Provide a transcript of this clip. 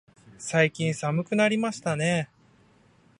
最近寒くなりましたね。